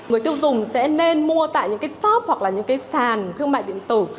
người tiêu dùng sẽ nên mua tại những cái shop hoặc là những cái sàn thương mại điện tử